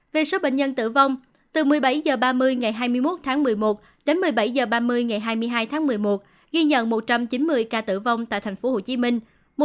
về số bệnh nhân tử vong từ một mươi bảy h ba mươi ngày hai mươi một tháng một mươi một đến một mươi bảy h ba mươi ngày hai mươi hai tháng một mươi một ghi nhận một trăm chín mươi ca tử vong tại thành phố hồ chí minh